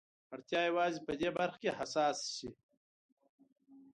اړتيا يوازې په دې برخه کې حساس شي.